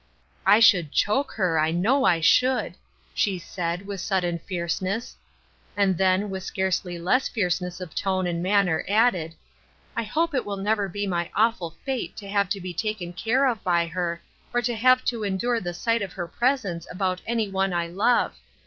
" I should choke her, I know I should I " she said, with sudden fierceness ; and then, with scarcely less fierceness of tone and manner added ;*^ I hope it will never be my awFul fate to have to be taken care of by her, or to have to endui e the sight of her presence about any one I love.